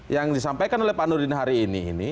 yang disampaikan oleh pak nurin hari ini